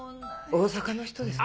大阪の人ですか？